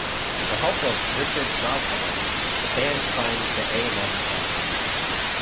With the help of Richard Gottehrer, the band signed to A and M Records.